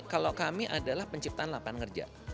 kalau kami adalah penciptaan lapangan kerja